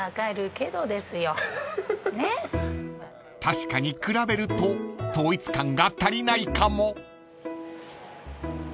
［確かに比べると統一感が足りないかも］